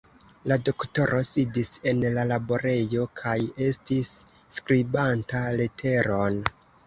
La doktoro sidis en la laborejo kaj estis skribanta leteron.